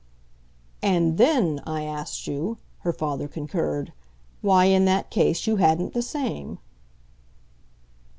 "And THEN I asked you," her father concurred, "why in that case you hadn't the same."